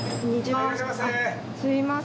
はい。